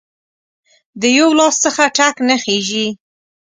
د یو لاس څخه ټک نه خیژي